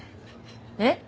えっ？